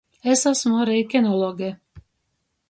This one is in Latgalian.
Es asmu ari kinologe.